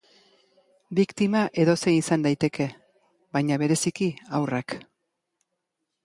Biktima edozein izan daiteke baina bereziki haurrak.